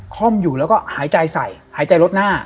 ค่อมอยู่แล้วก็หายใจใส่หายใจลดหน้า